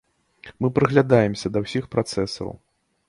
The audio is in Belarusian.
Мы прыглядаемся да ўсіх працэсаў.